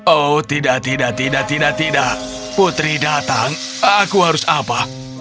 oh tidak tidak tidak tidak putri datang aku harus apa